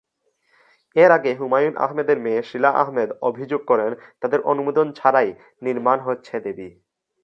এর আগে হুমায়ূন আহমেদের মেয়ে শীলা আহমেদ অভিযোগ করেন তাদের অনুমোদন ছাড়াই নির্মান হচ্ছে দেবী।